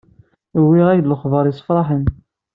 Wwiɣ-ak-d lexber yessefraḥen.